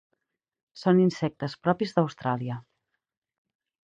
Són insectes propis d'Austràlia.